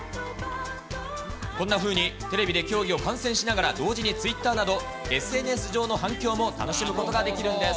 こんなふうに、テレビで競技を観戦しながら、同時にツイッターなど、ＳＮＳ上の反響も楽しむことができるんです。